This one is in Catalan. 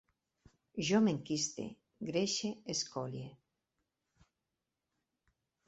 Jo m'enquiste, greixe, escolie